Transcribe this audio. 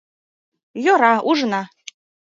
Йӧра, ужына...